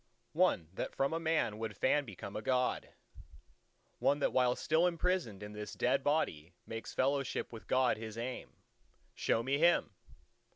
one that from a man would fain become a God; one that while still imprisoned in this dead body makes fellowship with God his aim. Show me him!